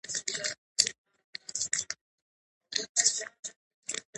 له ما جوړي بنګلې ښکلي ښارونه